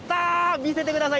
見せてください。